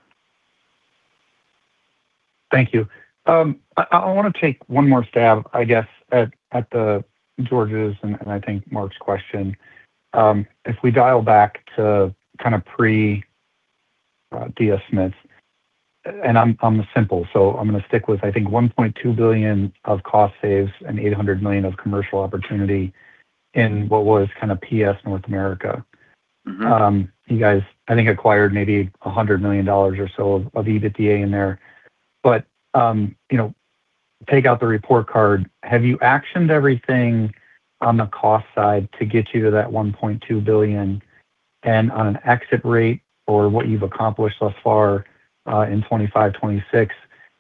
Thank you. I want to take one more stab, I guess, at George's and I think Mark's question. If we dial back to kind of pre-DS Smith, I'm simple, so I'm going to stick with, I think $1.2 billion of cost saves and $800 million of commercial opportunity in what was kind of PS North America. You guys, I think, acquired maybe $100 million or so of EBITDA in there. Take out the report card, have you actioned everything on the cost side to get you to that $1.2 billion? On an exit rate or what you've accomplished thus far in 2025, 2026,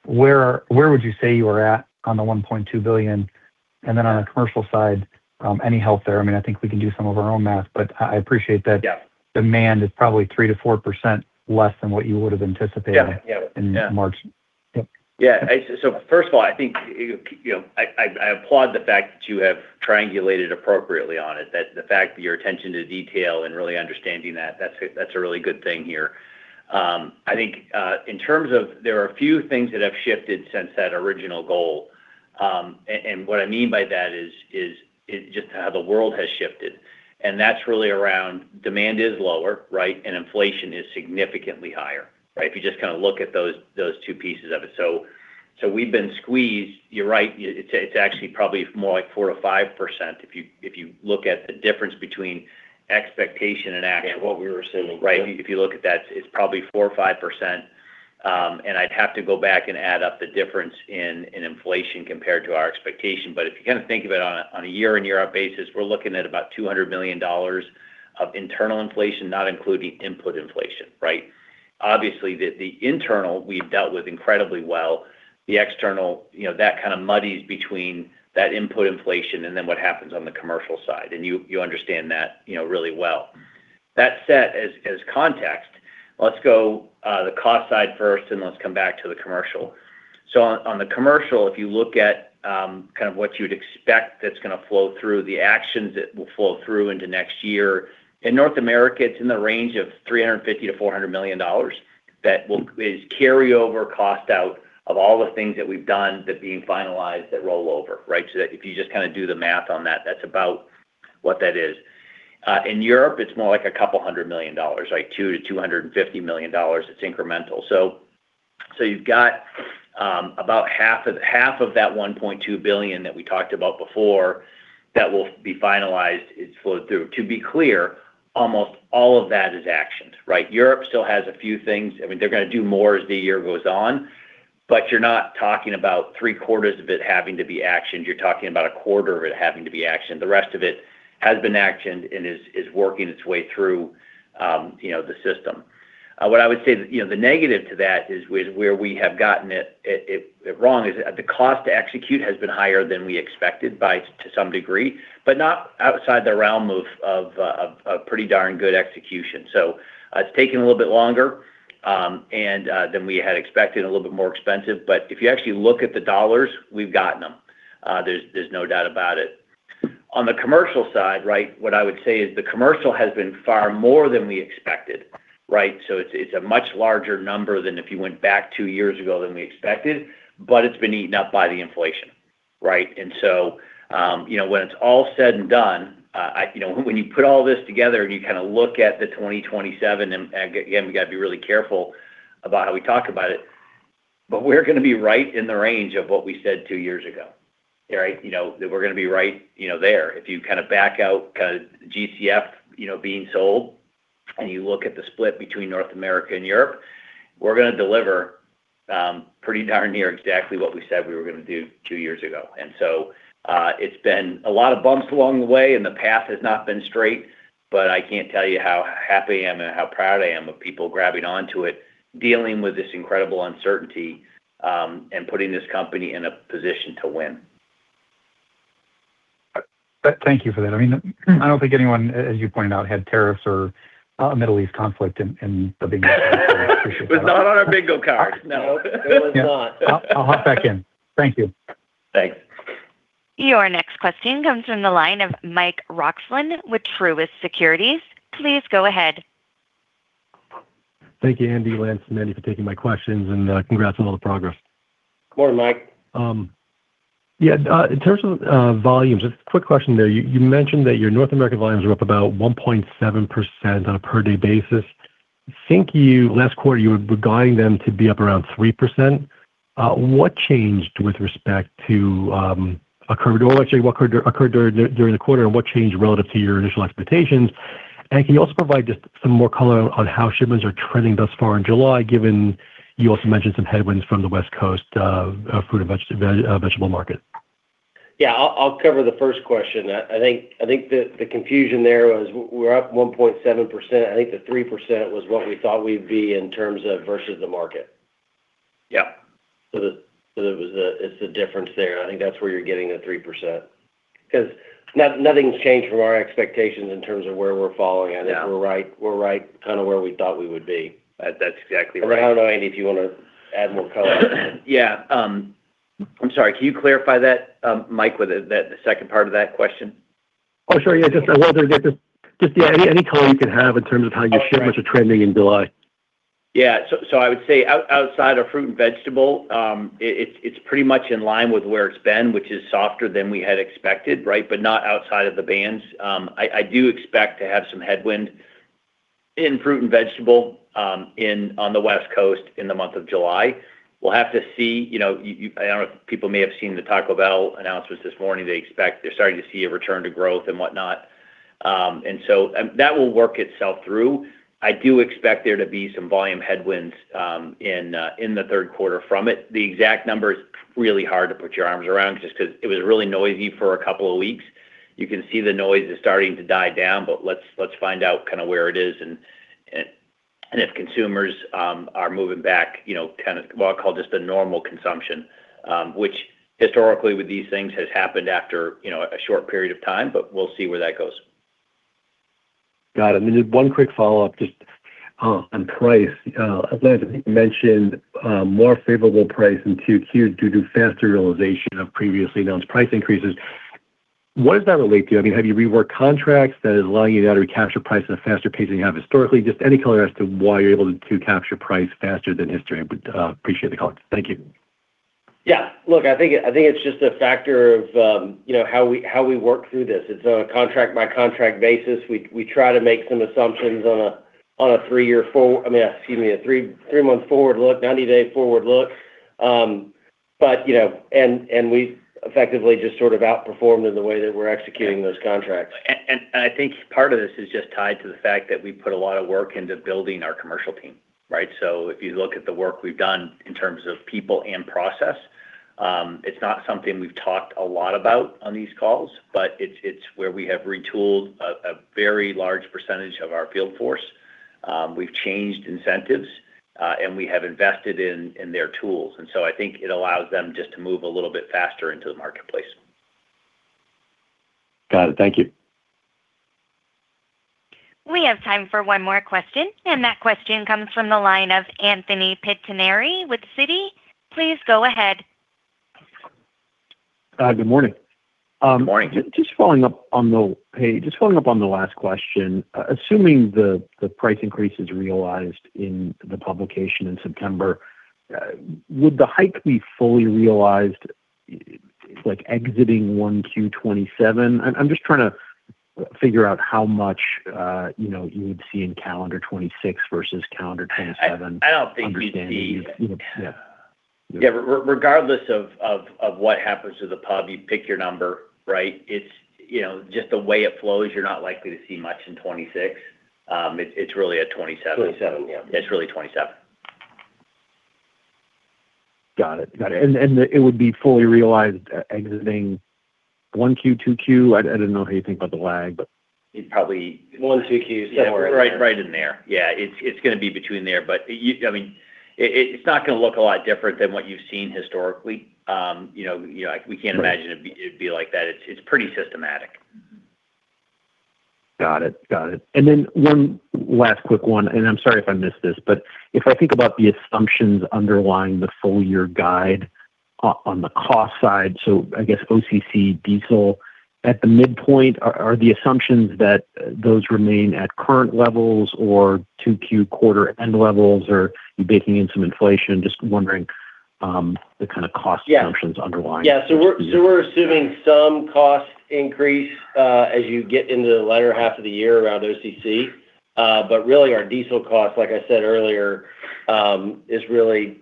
where would you say you are at on the $1.2 billion? On the commercial side, any help there? I think we can do some of our own math, but I appreciate that- Yeah demand is probably 3%-4% less than what you would have anticipated- Yeah In March. Yeah. First of all, I applaud the fact that you have triangulated appropriately on it, that the fact that your attention to detail and really understanding that's a really good thing here. I think in terms of, there are a few things that have shifted since that original goal. What I mean by that is just how the world has shifted. That's really around demand is lower, and inflation is significantly higher. If you just kind of look at those two pieces of it. We've been squeezed. You're right, it's actually probably more like 4%-5% if you look at the difference between expectation and action. Yeah, what we were saying. If you look at that, it's probably 4% or 5%. I'd have to go back and add up the difference in inflation compared to our expectation. If you kind of think of it on a year-on-year basis, we're looking at about $200 million of internal inflation, not including input inflation. Obviously, the internal we've dealt with incredibly well. The external, that kind of muddies between that input inflation and then what happens on the commercial side. You understand that really well. That said, as context, let's go the cost side first and let's come back to the commercial. On the commercial, if you look at kind of what you'd expect that's going to flow through the actions that will flow through into next year, in North America, it's in the range of $350 million-$400 million that is carryover cost out of all the things that we've done that are being finalized that roll over. That if you just kind of do the math on that's about what that is. In Europe, it's more like a couple of hundred million dollars, like $200 million-$250 million, it's incremental. You've got about half of that $1.2 billion that we talked about before that will be finalized; it's flowed through. To be clear, almost all of that is actioned. Europe still has a few things. They're going to do more as the year goes on, you're not talking about three-quarters of it having to be actioned. You're talking about a quarter of it having to be actioned. The rest of it has been actioned and is working its way through the system. What I would say, the negative to that is where we have gotten it wrong is the cost to execute has been higher than we expected by to some degree, but not outside the realm of a pretty darn good execution. It's taken a little bit longer than we had expected, a little bit more expensive. If you actually look at the dollars, we've gotten them. There's no doubt about it. On the commercial side, what I would say is the commercial has been far more than we expected. It's a much larger number than if you went back two years ago than we expected, but it's been eaten up by the inflation, right? When it's all said and done, when you put all this together and you look at the 2027, and again, we've got to be really careful about how we talk about it, but we're going to be right in the range of what we said two years ago. Right? That we're going to be right there. If you back out GCF being sold and you look at the split between North America and Europe, we're going to deliver pretty darn near exactly what we said we were going to do two years ago. It's been a lot of bumps along the way, and the path has not been straight, but I can't tell you how happy I am and how proud I am of people grabbing onto it, dealing with this incredible uncertainty, and putting this company in a position to win. Thank you for that. I don't think anyone, as you pointed out, had tariffs or a Middle East conflict in the bingo. It was not on our bingo card, no. It was not. I'll hop back in. Thank you. Thanks. Your next question comes from the line of Mike Roxland with Truist Securities. Please go ahead. Thank you, Andy, Lance, and Andy, for taking my questions, and congrats on all the progress. Good morning, Mike. In terms of volumes, just a quick question there. You mentioned that your North American volumes are up about 1.7% on a per-day basis. I think last quarter, you were guiding them to be up around 3%. What occurred during the quarter, and what changed relative to your initial expectations? Can you also provide just some more color on how shipments are trending thus far in July, given you also mentioned some headwinds from the West Coast fruit and vegetable market? I'll cover the first question. I think the confusion there was we're up 1.7%. I think the 3% was what we thought we'd be in terms of versus the market. Yeah. It's the difference there. I think that's where you're getting the 3%. Nothing's changed from our expectations in terms of where we're falling. Yeah. I think we're right where we thought we would be. That's exactly right. I don't know Andy, if you want to add more color. Yeah. I'm sorry, can you clarify that, Mike, the second part of that question? Oh, sure. Just any color you can have in terms of how your- Oh, sure. shipments are trending in July. I would say, outside of fruit and vegetable, it's pretty much in line with where it's been, which is softer than we had expected, right, but not outside of the bands. I do expect to have some headwind in fruit and vegetable on the West Coast in the month of July. We'll have to see. I don't know if people may have seen the Taco Bell announcements this morning. They're starting to see a return to growth and whatnot. That will work itself through. I do expect there to be some volume headwinds in the third quarter from it. The exact number is really hard to put your arms around, just because it was really noisy for a couple of weeks. You can see the noise is starting to die down. Let's find out where it is and if consumers are moving back, what I'll call just a normal consumption, which historically with these things has happened after a short period of time. We'll see where that goes. Got it. Just one quick follow-up just on price. Lance, I think you mentioned more favorable price in 2Q due to faster realization of previously announced price increases. What does that relate to? Have you reworked contracts that is allowing you to be able to capture price at a faster pace than you have historically? Just any color as to why you're able to capture price faster than history, I would appreciate the color. Thank you. Look, I think it's just a factor of how we work through this. It's on a contract-by-contract basis. We try to make some assumptions on a three-month forward look, 90-day forward look. We've effectively just sort of outperformed in the way that we're executing those contracts. I think part of this is just tied to the fact that we put a lot of work into building our commercial team, right? If you look at the work we've done in terms of people and process, it's not something we've talked a lot about on these calls. It's where we have retooled a very large percentage of our field force. We've changed incentives, we have invested in their tools. I think it allows them just to move a little bit faster into the marketplace. Got it. Thank you. We have time for one more question, and that question comes from the line of Anthony Pettinari with Citi. Please go ahead. Good morning. Good morning. Just following up on the last question. Assuming the price increase is realized in the publication in September, would the hike be fully realized exiting 1Q 2027? I'm just trying to figure out how much you would see in calendar 2026 versus calendar 2027. I don't think you'd see- Understanding the, yeah. Yeah, regardless of what happens to the pub, you pick your number, right? Just the way it flows, you're not likely to see much in 2026. It's really a 2027. 2027, yeah. It's really 2027. Got it. It would be fully realized exiting 1Q, 2Q? I don't know how you think about the lag. It's probably. 1Q, 2Q, somewhere in there Yeah, right in there. Yeah. It's going to be between there. It's not going to look a lot different than what you've seen historically. We can't imagine it'd be like that. It's pretty systematic. Got it. One last quick one, and I'm sorry if I missed this, but if I think about the assumptions underlying the full year guide on the cost side, so I guess OCC, diesel. At the midpoint, are the assumptions that those remain at current levels or 2Q quarter end levels or you baking in some inflation? Just wondering the kind of cost assumptions underlying. Yeah. We're assuming some cost increase as you get into the latter half of the year around OCC. Really, our diesel cost, like I said earlier, the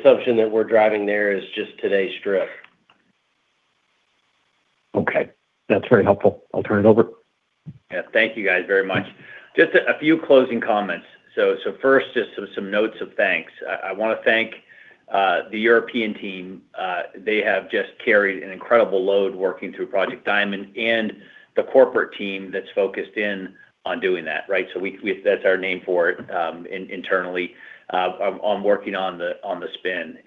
assumption that we're driving there is just today's strip. Okay. That's very helpful. I'll turn it over. Yeah. Thank you guys very much. Just a few closing comments. First, just some notes of thanks. I want to thank the European team. They have just carried an incredible load working through Project Diamond and the corporate team that's focused in on doing that, right? That's our name for it internally, on working on the spin.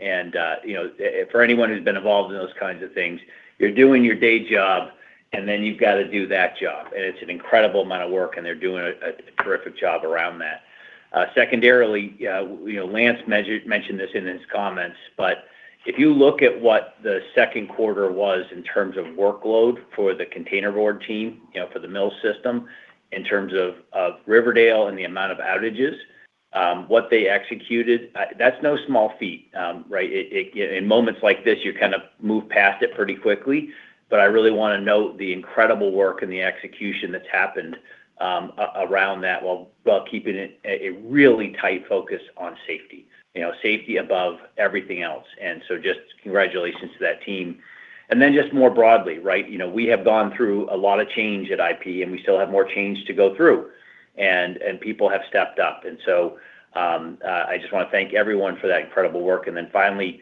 For anyone who's been involved in those kinds of things, you're doing your day job, and then you've got to do that job. It's an incredible amount of work, and they're doing a terrific job around that. Secondarily, Lance mentioned this in his comments, but if you look at what the second quarter was in terms of workload for the containerboard team, for the mill system, in terms of Riverdale and the amount of outages, what they executed, that's no small feat. Right? In moments like this, you kind of move past it pretty quickly. I really want to note the incredible work and the execution that's happened around that while keeping a really tight focus on safety. Safety above everything else. Just congratulations to that team. Just more broadly, right? We have gone through a lot of change at IP, and we still have more change to go through, and people have stepped up. I just want to thank everyone for that incredible work. Finally,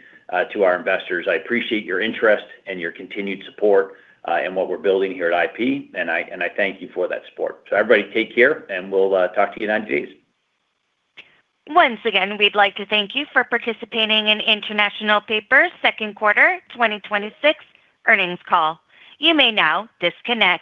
to our investors, I appreciate your interest and your continued support in what we're building here at IP. I thank you for that support. Everybody take care, and we'll talk to you in 90 days. Once again, we'd like to thank you for participating in International Paper Second Quarter 2026 Earnings Call. You may now disconnect.